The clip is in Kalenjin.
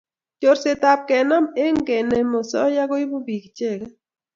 Chorset ab kenam eng kenem osoya koibu bik icheget